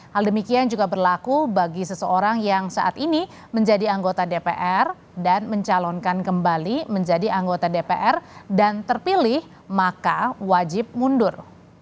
hal demikian juga berlaku bagi seseorang yang saat ini menjadi anggota dpr dan mencalonkan kembali menjadi anggota dpr dan terpilih maka wajib mundur